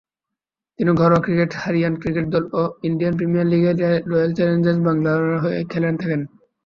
তিনি ঘরোয়া ক্রিকেটে হরিয়ানা ক্রিকেট দল ও ইন্ডিয়ান প্রিমিয়ার লিগে রয়্যাল চ্যালেঞ্জার্স ব্যাঙ্গালোরের হয়ে খেলে থাকেন।